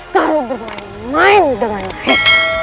kamu bergurau main dengan mahesa